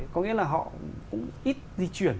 có nghĩa là họ cũng ít di chuyển